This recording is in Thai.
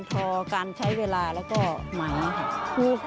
ต่อการใช้เวลาแล้วก็หมายแบบนี้ค่ะ